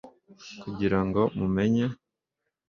Kugira ngo mumenye